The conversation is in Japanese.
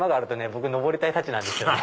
僕登りたいたちなんですよね。